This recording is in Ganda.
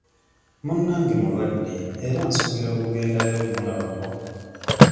Munnange mulwadde era nsuubira okugendayo okumulabako.